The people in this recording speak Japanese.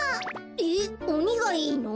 えっおにがいいの？